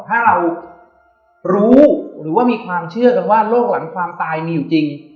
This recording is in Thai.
ถ้าเรารู้หรือว่ามีความเชื่อกันว่าโรคหลังความตายมีอยู่จริง